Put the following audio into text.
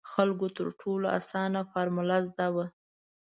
خلکو تر ټولو اسانه فارمول زده وو.